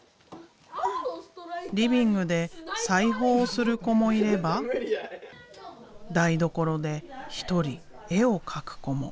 リビングで裁縫をする子もいれば台所で一人絵を描く子も。